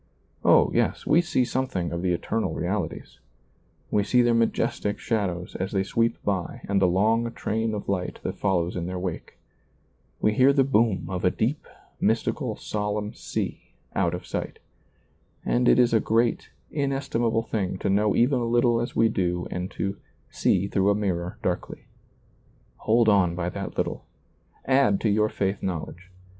Oh, yes, we see something of the eternal reali ties ; we see their majestic shadows as they sweep by and the long train of light that follows in their wake; we hear the boom of a deep, mystical, solemn sea out of sight And it is a great, inestimable thing to know even as little as we do and to " see through a mirror darkly." Hold on by that little. Add to your faith knowledge.